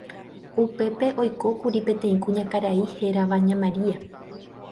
Upépe oikókuri peteĩ kuñakarai hérava ña María.